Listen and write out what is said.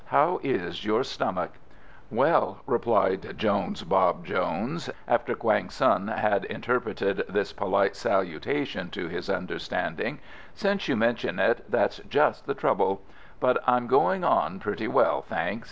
How is your stomach?" "Well," replied Jones Bob Jones, after Quang Tsun had interpreted this polite salutation to his understanding, "since you mention it, that's just the trouble; but I'm going on pretty well, thanks.